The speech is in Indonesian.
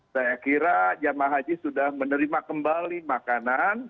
saya kira jamaah haji sudah menerima kembali makanan